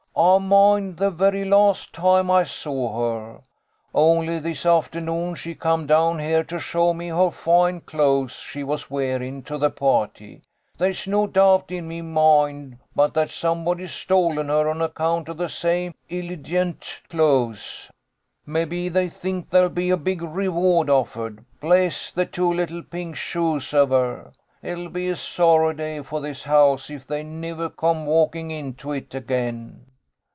I moind the very last toime I saw her. Only this afthernoon she coom down here to show me her foine clothes she was wearin' to the parrty. There's no doubt in me moind but that somebody's stolen her on account av them same illigent clothes. Mebbe they think there'll be a big reward offered. Bless the two little pink shoes av her ! It'll be a sorry day for this house if they niver coom walking into it again."